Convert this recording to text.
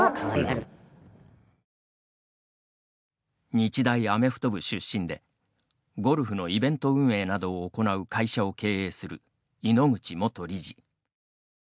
日大アメフト部出身でゴルフのイベント運営などを行う会社を経営する井ノ口元理事。